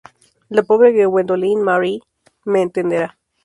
La pobre Gwendoline Mary me entenderá.